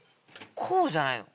こうじゃないの？